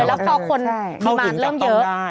แล้วพอคนมีบางเล่มเยอะ